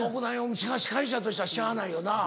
司会者としてはしゃあないよな。